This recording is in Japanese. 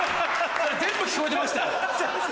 それ全部聞こえてましたよ。